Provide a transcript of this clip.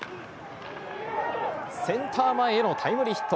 センター前へのタイムリーヒット。